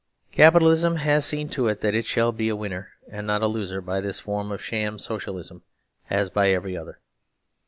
Capitalism has seen to itthat itshallbea winner and not a loser by this form of sham Socialism, as by every other.